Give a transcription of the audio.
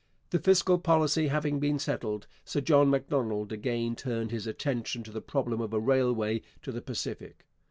The fiscal policy having been settled, Sir John Macdonald again turned his attention to the problem of a railway to the Pacific.